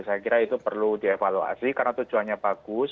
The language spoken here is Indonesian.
saya kira itu perlu dievaluasi karena tujuannya bagus